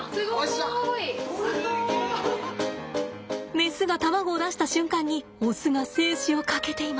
メスが卵を出した瞬間にオスが精子をかけています。